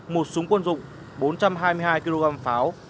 một súng quân dụng bốn trăm hai mươi hai kg pháo